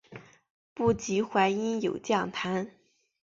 不及淮阴有将坛。